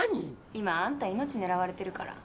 今あんた命狙われてるから。